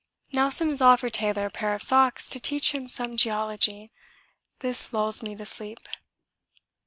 Nelson has offered Taylor a pair of socks to teach him some geology! This lulls me to sleep!